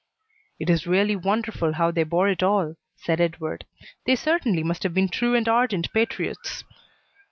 "It is really wonderful how they bore it all," said Edward. "They certainly must have been true and ardent patriots."